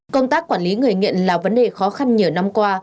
công tác quản lý người nghiện là vấn đề khó khăn nhiều năm qua